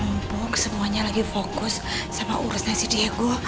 mumpung semuanya lagi fokus sama urusannya si diego